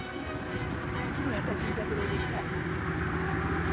古畑ジンズ三郎でした。